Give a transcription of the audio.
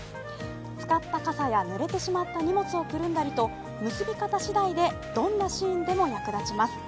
使った傘やぬれてしまった荷物をくるんだりと結び方次第でどんなシーンでも役立ちます。